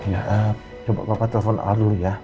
ya ah coba bapak telepon al dulu ya